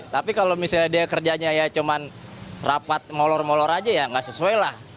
tapi kalau misalnya dia kerjanya ya cuma rapat ngolor ngolor aja ya nggak sesuai lah